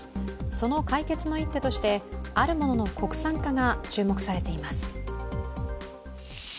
その解決の一手として、あるものの国産化が注目されています。